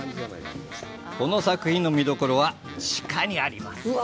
この作品の見どころは地下にあります。